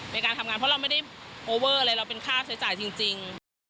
ในการทำงานเพราะเราไม่ได้โอเวอร์อะไรเราเป็นค่าใช้จ่ายจริง